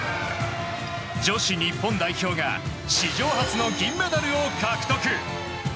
女子日本代表が史上初の銀メダルを獲得。